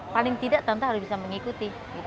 paling tidak tante harus bisa mengikuti